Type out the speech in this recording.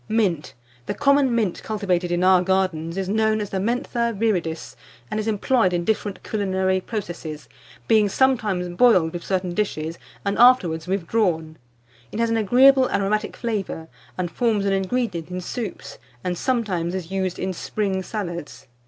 [Illustration: MINT.] MINT. The common mint cultivated in our gardens is known as the Mentha viridis, and is employed in different culinary processes, being sometimes boiled with certain dishes, and afterwards withdrawn. It has an agreeable aromatic flavour, and forms an ingredient in soups, and sometimes is used in spring salads.